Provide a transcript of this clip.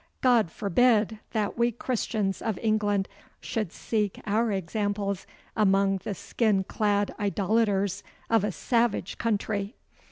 God forbid that we Christians of England should seek our examples among the skin clad idolaters of a savage country.